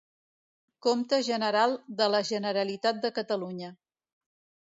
Compte general de la Generalitat de Catalunya.